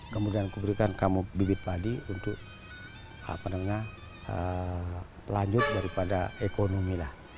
kemudian kuberikan kamu bibit padi untuk pelanjut daripada ekonomi